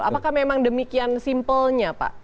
apakah memang demikian simpelnya pak